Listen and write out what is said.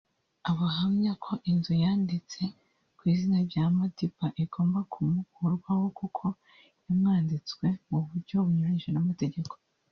Ahamya ko inzu yanditse ku izina rya Madiba igomba kumukurwaho kuko yamwanditswe mu buryo bunyuranyije n’amategeko